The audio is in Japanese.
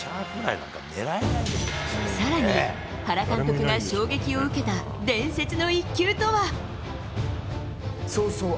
更に、原監督が衝撃を受けた伝説の一球とは。